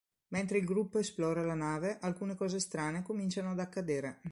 Mentre il gruppo esplora la nave, alcune cose strane cominciano ad accadere.